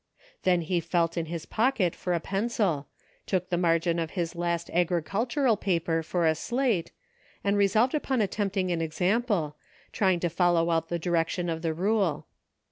Then he felt in his pocket for a pencil, took the margin of his last agricultural paper for a slate, and resolved upon attempting an example, trying PHOTOGRAPHS. 145 to follow out the direction of the rule.